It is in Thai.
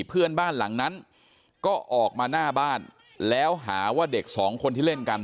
เพื่อนบ้านหลังนั้นก็ออกมาหน้าบ้านแล้วหาว่าเด็กสองคนที่เล่นกัน